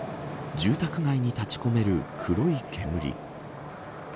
住宅街に立ち込める黒い煙。